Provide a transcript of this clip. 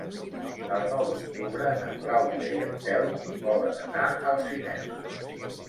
El nou d'octubre na Clàudia i en Telm volen anar al cinema.